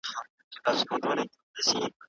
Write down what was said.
نړۍ د خصوصي سکتور په فکر نه ده جوړه.